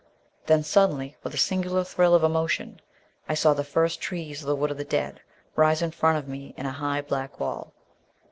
Then, suddenly, with a singular thrill of emotion, I saw the first trees of the Wood of the Dead rise in front of me in a high black wall.